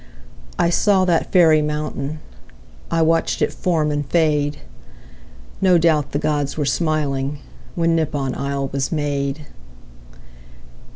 I saw that fairy mountain. ... I watched it form and fade. No doubt the gods were smiling, When Nippon isle was made.